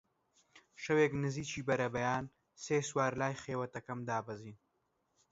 شەوێک نزیکی بەربەیان سێ سوار لای خێوەتەکەم دابەزین